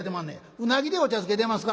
「うなぎでお茶漬け出ますか？」。